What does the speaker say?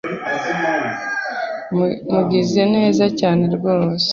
Mugize neza cyane rwose ,